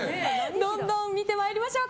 どんどん見てまいりましょう。